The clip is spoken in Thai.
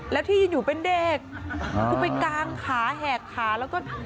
แล้วที่อยู่เป็นเด็กคือไปกางขาแหกขาแล้วก็